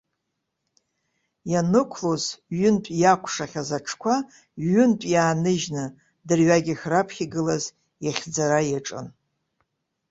Ианықәлоз ҩынтә иакәшахьаз аҽқәа ҩынтә иааныжьны, дырҩегьых раԥхьа игылаз ихьӡара иаҿын.